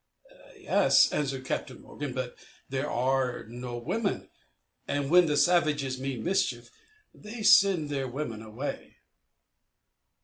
"Yes," answered Captain Morgan, "but there are no women, and when the savages mean mischief they send their women away."